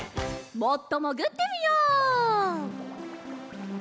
もっともぐってみよう。